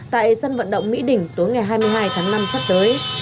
tại sân vận động mỹ đình tối ngày hai mươi hai tháng năm sắp tới